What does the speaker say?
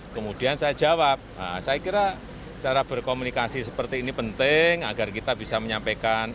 kemudian saya jawab saya kira cara berkomunikasi seperti ini penting agar kita bisa menyampaikan